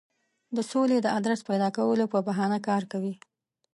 د سولې د آدرس پیدا کولو په بهانه کار کوي.